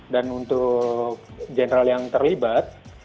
untuk general yang terlibat